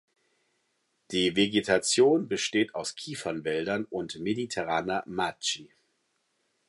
Die Vegetation besteht aus Kiefernwäldern und mediterraner Macchie.